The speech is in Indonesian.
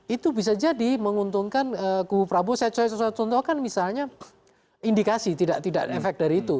itu bisa jadi menguntungkan kubu prabowo saya contohkan misalnya indikasi tidak efek dari itu